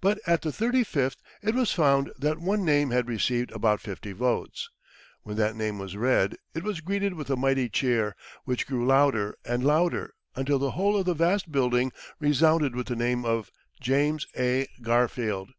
But at the thirty fifth it was found that one name had received about fifty votes. When that name was read, it was greeted with a mighty cheer, which grew louder and louder, until the whole of the vast building resounded with the name of James A. Garfield.